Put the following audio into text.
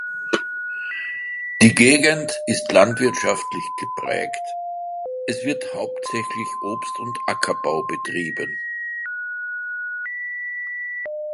Die Gegend ist landwirtschaftlich geprägt, es wird hauptsächlich Obst- und Ackerbau betrieben.